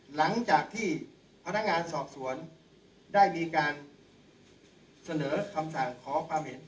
หลังจากที่พนักงานสอบสวนได้มีการเสนอคำสั่งขอความเห็น